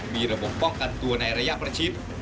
มีระบบป้องกันตัวในระยะประชิด